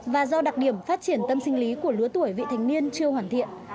và do đặc điểm phát triển tâm sinh lý của lứa tuổi vị thành niên chưa hoàn thiện